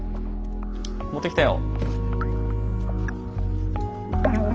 持ってきたよ。